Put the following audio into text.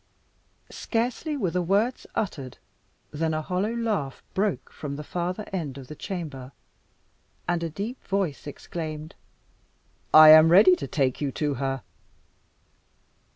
Scarcely were the words uttered than a hollow laugh broke from the farther end of the chamber, and a deep voice exclaimed "I am ready to take you to her."